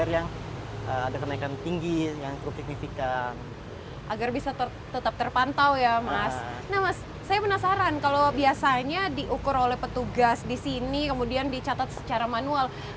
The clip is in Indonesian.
ya kita bisa lihat petugas di sini kemudian dicatat secara manual